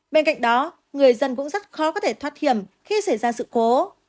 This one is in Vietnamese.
bên cạnh đó người dân cũng rất khó có thể thoát hiểm khi xảy ra sự cố